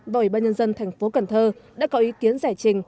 và ủy ban nhân dân thành phố cần thơ đã có ý kiến giải trình